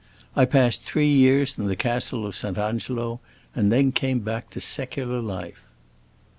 I passed three years in the Castle of St. Angelo, and then came back to secular life."